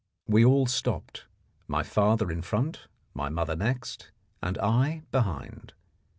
We all stopped, my father in front, my mother next, and I behind.